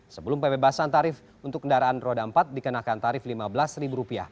sebelum pembebasan tarif untuk kendaraan roda empat dikenakan tarif rp lima belas